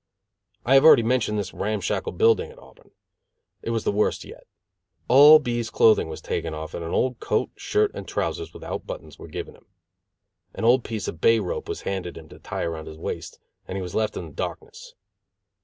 I have already mentioned this ram shackle building at Auburn. It was the worst yet. All B 's clothing was taken off and an old coat, shirt, and trousers without buttons were given him. An old piece of bay rope was handed him to tie around his waist, and he was left in darkness.